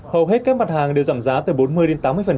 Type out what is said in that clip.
hầu hết các mặt hàng đều giảm giá từ bốn mươi đến tám mươi